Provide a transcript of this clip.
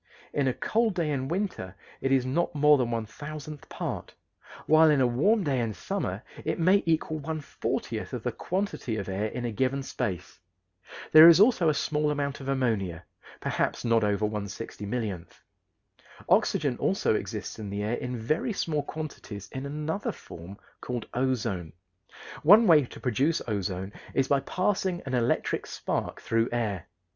In a cold day in winter it is not more than one thousandth part, while in a warm day in summer it may equal one fortieth of the quantity of air in a given space. There is also a small amount of ammonia, perhaps not over one sixty millionth. Oxygen also exists in the air in very small quantities in another form called ozone. One way to produce ozone is by passing an electric spark through air.